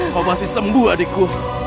kau masih sembuh adikku